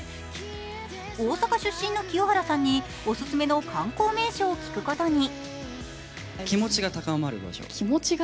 大阪出身の清原さんにオススメの観光名所を聞くことに。